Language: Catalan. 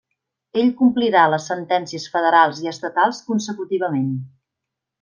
Ell complirà les sentències federals i estatals consecutivament.